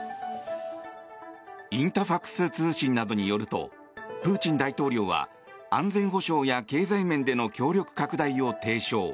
インタファクス通信などによるとプーチン大統領は安全保障や経済面での協力拡大を提唱。